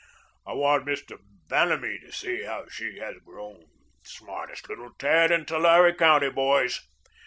I want Mr. Vanamee to see how she has grown. Smartest little tad in Tulare County, boys.